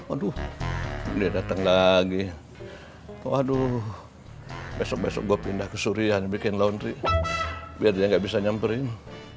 aduh dia datang lagi waduh besok besok gue pindah ke surian bikin laundry biar dia nggak bisa nyamperin